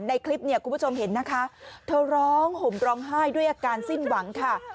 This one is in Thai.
ในคลิปเนี่ยคุณผู้ชมเห็นนะคะเธอร้องห่มร้องไห้ด้วยอาการสิ้นหวังค่ะ